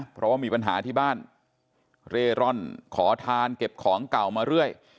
เพราะว่ามีปัญหาที่บ้านเร่ร่อนขอทานเก็บของเก่ามาเรื่อย